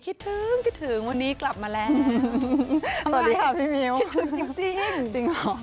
คิดถึงคิดถึงวันนี้กลับมาแล้วสวัสดีค่ะพี่มิ้วจริงจริงเหรอ